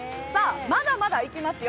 まだまだいきますよ。